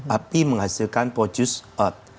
api menghasilkan produce earth